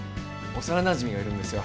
幼なじみがいるんですよ。